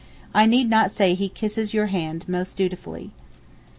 I need not say he kisses your hand most dutifully.